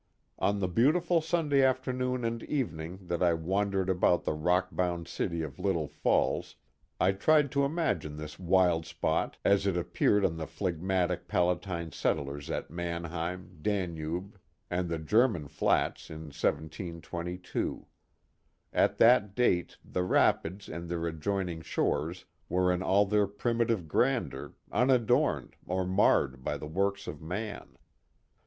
On the beautiful Sunday afternoon and evening that I wandered about the rockbound city of Little Falls, I tried to imagine this wild spot as it appeared to the phlegmatic Pala tine settlers at Manheim, Danube, and the German Flats in 1722. At that date the rapids and their adjoining shores were in all their primitive grandeur, unadorned or marred by the works oE man.